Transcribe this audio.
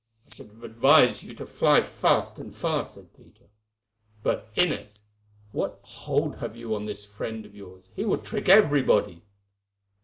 "I should advise you to fly fast and far," said Peter. "But, Inez, what hold have you on this friend of yours? He will trick everybody."